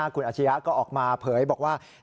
คุณอาชียะก็ออกมาเผยบอกว่า